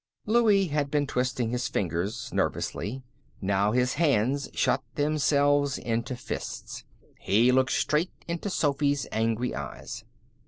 Louie had been twisting his fingers nervously. Now his hands shut themselves into fists. He looked straight into Sophy's angry eyes.